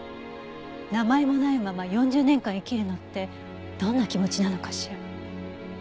名前もないまま４０年間生きるのってどんな気持ちなのかしら。